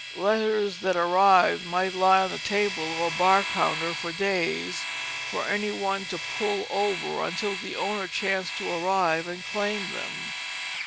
Letters that arrived might lie on the table or bar counter for days for any one to pull over, until the owner chanced to arrive and claim them.